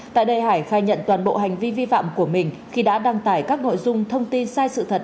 tại đây hải khai nhận toàn bộ hành vi vi phạm của mình khi đã đăng tải các nội dung thông tin sai sự thật